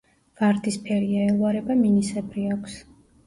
ვარდისფერია, ელვარება მინისებრი აქვს.